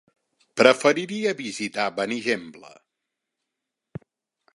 Preferiria visitar Benigembla.